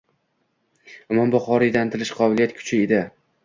Imom Buxoriyda intilish, qobiliyat kuchli edi.